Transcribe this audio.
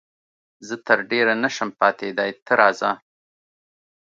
زه تر ډېره نه شم پاتېدای، ته راځه.